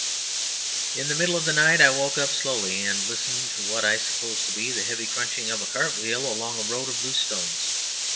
In the middle of the night I woke up slowly and listened to what I supposed to be the heavy crunching of a cart wheel along a road of loose stones.